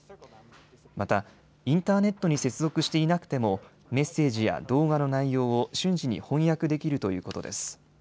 またインターネットに接続していなくてもメッセージや動画の内容を瞬時に翻訳できるということです。